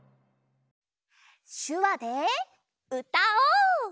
しゅわでうたおう！